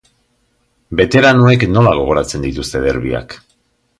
Beteranoek nola gogoratzen dituzte derbiak?